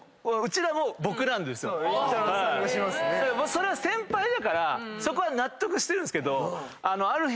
それは先輩だからそこは納得してるんすけどある日